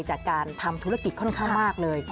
จากการทำธุรกิจค่อนข้างมากเลย